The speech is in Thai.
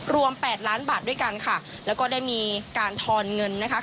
แปดล้านบาทด้วยกันค่ะแล้วก็ได้มีการทอนเงินนะคะ